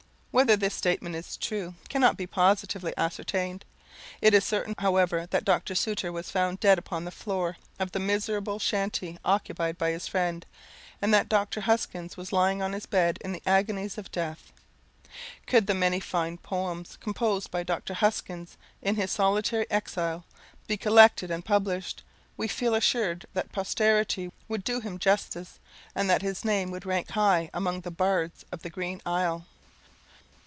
Whether this statement is true cannot now be positively ascertained. It is certain, however, that Dr. Sutor was found dead upon the floor of the miserable shanty occupied by his friend, and that Dr. Huskins was lying on his bed in the agonies of death. Could the many fine poems composed by Dr. Huskins in his solitary exile, be collected and published, we feel assured that posterity would do him justice, and that his name would rank high among the bards of the green isle.